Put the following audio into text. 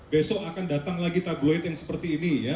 besok akan datang lagi tabloid yang seperti ini ya